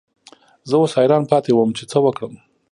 زه اوس حیران پاتې وم چې څه وکړم.